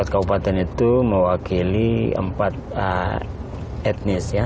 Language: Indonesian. empat kabupaten itu mewakili empat etnis ya